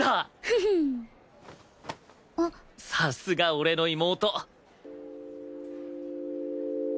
さすが俺の妹！